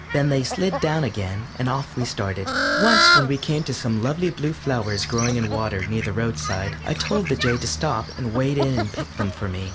Then they slid down again, and off we started. Once when we came to some lovely blue flowers growing in water near the roadside I told the Jay to stop and wade in and pick them for me.